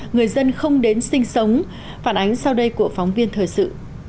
người dân không đến sinh sống phản ánh sau đây của phóng viên thời sự